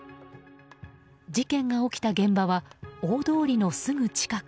事件が起きた現場は大通りのすぐ近く。